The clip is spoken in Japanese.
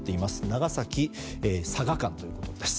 長崎佐賀間ということです。